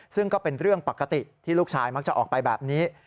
ซึ่งก็เป็นเรื่องปกติที่ลูกชายมักจะออกไปแบบนี้